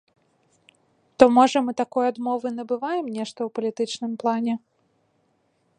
То, можа, мы такой адмовай набываем нешта ў палітычным плане?